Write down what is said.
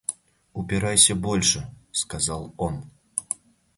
Упирайся больше, — сказал он.